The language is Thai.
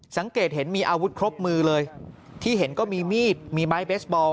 สังเกตเห็นมีอาวุธครบมือเลยที่เห็นก็มีมีดมีไม้เบสบอล